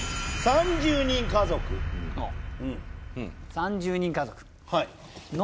「３０人家族」の？